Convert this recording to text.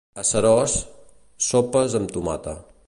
A Seròs, sopes amb tomata.